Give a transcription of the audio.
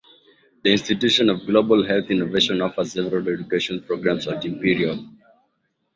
The Institute of Global Health Innovation offers several education programmes at Imperial.